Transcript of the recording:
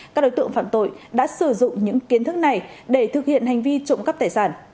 các đối tượng phạm tội đã sử dụng những kiến thức này để thực hiện hành vi trộm cắp tài sản